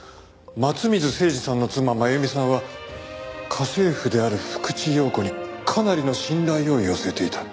松水誠二さんの妻麻由美さんは家政婦である福地陽子にかなりの信頼を寄せていた。